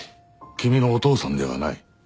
君のお父さんではない。